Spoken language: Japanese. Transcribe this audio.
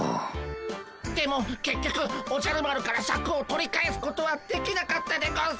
でもけっきょくおじゃる丸からシャクを取り返すことはできなかったでゴンス。